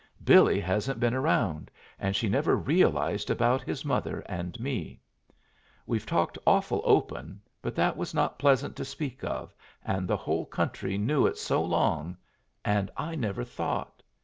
Billy hasn't been around, and she never realized about his mother and me. We've talked awful open, but that was not pleasant to speak of, and the whole country knew it so long and I never thought!